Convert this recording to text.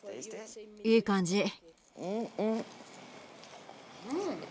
いい感じ！